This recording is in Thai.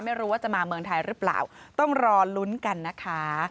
ไม่รู้ว่าจะมาเมืองไทยหรือเปล่าต้องรอลุ้นกันนะคะ